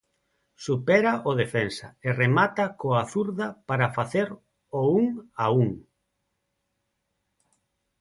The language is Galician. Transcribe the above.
Supera o defensa e remata coa zurda para facer o un a un.